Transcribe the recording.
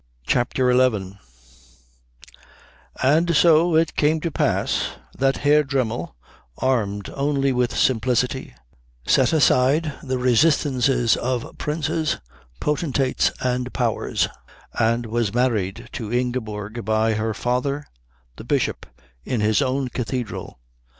CHAPTER XI And so it came to pass that Herr Dremmel, armed only with simplicity, set aside the resistances of princes, potentates, and powers, and was married to Ingeborg by her father the Bishop in his own cathedral.